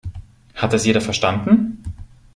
Hat das jeder verstanden?